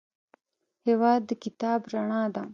هېواد د کتاب رڼا ده.